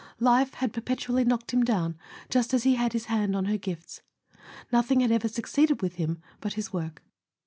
Life had perpetually knocked him down just as he had his hand on her gifts; nothing had ever succeeded with him but his work.